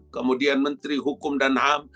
kemudian menteri hukum dan ham